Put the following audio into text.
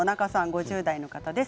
５０代の方です。